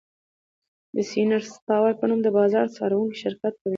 د سېنسر ټاور په نوم د بازار څارونکي شرکت په وینا